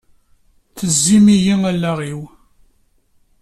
Tessezzim-iyi allaɣ-iw!